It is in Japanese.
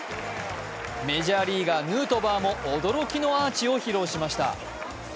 メジャーリーガーヌートバーも驚きのアーチを披露しました。